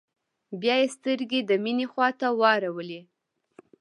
بيا يې سترګې د مينې خواته واړولې.